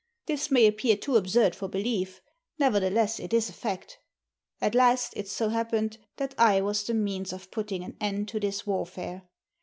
This may appear too absurd for belief ; nevertheless, it is a fact. At last, it so happened that I was the means of putting an end to this warfare.